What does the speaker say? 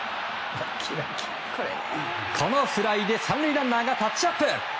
このフライで３塁ランナーがタッチアップ。